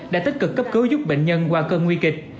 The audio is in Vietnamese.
đã tích cực cấp cứu giúp bệnh nhân qua cơn nguy kịch